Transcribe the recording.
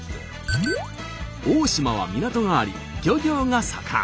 大島は港があり漁業が盛ん。